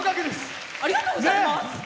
ありがとうございます。